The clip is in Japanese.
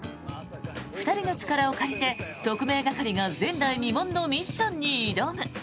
２人の力を借りて、特命係が前代未聞のミッションに挑む！